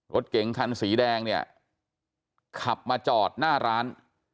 รถเก๋งคันสีแดงเนี่ยขับมาจอดหน้าร้าน